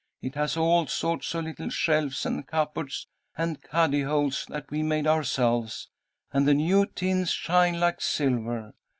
It has all sorts of little shelves and cupboards and cuddy holes that we made ourselves, and the new tins shine like silver.